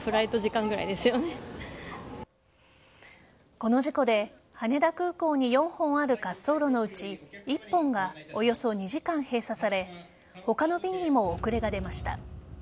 この事故で羽田空港に４本ある滑走路のうち１本がおよそ２時間、閉鎖され他の便にも遅れが出ました。